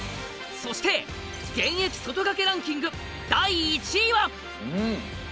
そして現役外掛けランキング第１位は。